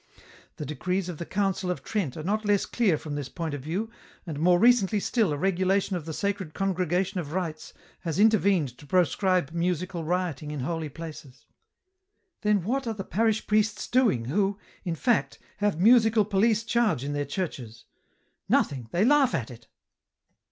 The decrees of the Council of Trent are not less clear from this point of view, and more recently still a regulation of the Sacred Congregation of Rites has intervened to proscribe musical rioting in holy places. " Then what are the parish priests doing who, in fact, have musical police charge in their churches ? Nothing, they laugh at it.